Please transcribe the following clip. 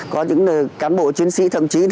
có những cán bộ chuyên sĩ thậm chí